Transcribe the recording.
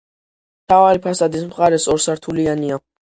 მთავარი ფასადის მხარეს ორსართულიანია.